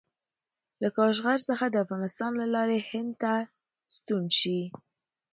له کاشغر څخه د افغانستان له لارې هند ته ستون شي.